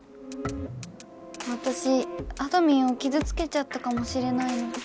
わたしあどミンをきずつけちゃったかもしれないの。